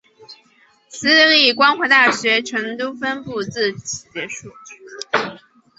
私立光华大学成都分部自此结束。